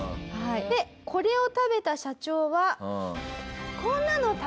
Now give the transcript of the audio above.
でこれを食べた社長は。